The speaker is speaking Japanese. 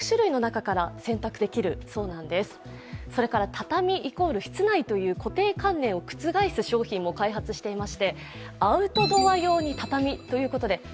畳イコール室内という固定観念を覆す商品も開発しています。